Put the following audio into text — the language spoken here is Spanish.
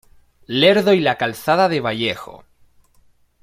Lerdo y la Calzada de Vallejo.